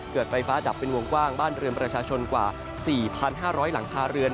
เกิดไฟฟ้าดับเป็นวงกว้างบ้านเรือนประชาชนกว่า๔๕๐๐หลังคาเรือน